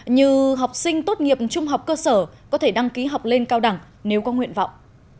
như học sinh tốt nghiệp trung học cơ sở có thể đăng ký học lên cao đẳng nếu có nguyện vọng